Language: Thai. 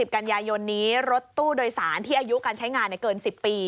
กันยายนนี้รถตู้โดยสารที่อายุการใช้งานเกิน๑๐ปี